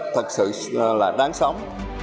thật sự là đáng sống